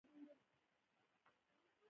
د احمد جان غوا ډیره پروړه خوري.